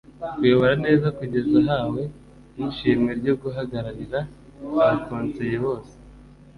kuyobora neza kugeza ahawe n ishimwe ryo guhagararira abakonseye bose